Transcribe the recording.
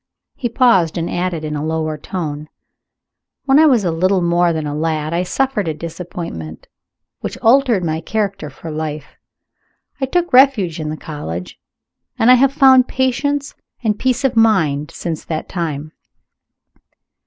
He paused, and added in a lower tone: "When I was little more than a lad I suffered a disappointment, which altered my character for life. I took refuge in the College, and I have found patience and peace of mind since that time.